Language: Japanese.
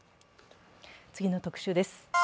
次の特集です。